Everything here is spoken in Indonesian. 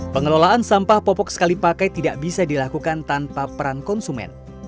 pengelolaan sampah popok sekali pakai tidak bisa dilakukan tanpa peran konsumen